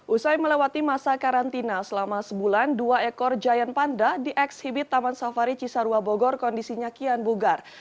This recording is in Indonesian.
usai melewati masa karantina selama sebulan dua ekor giant panda di ekshibit taman safari cisarua bogor kondisinya kian bugar